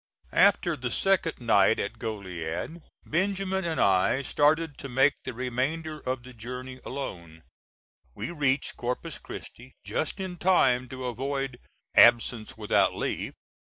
After the second night at Goliad, Benjamin and I started to make the remainder of the journey alone. We reached Corpus Christi just in time to avoid "absence without leave."